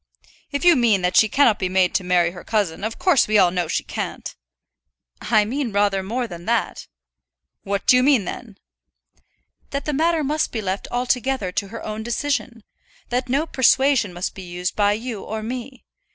"If you mean that she cannot be made to marry her cousin, of course we all know she can't." "I mean rather more than that." "What do you mean, then?" "That the matter must be left altogether to her own decision; that no persuasion must be used by you or me.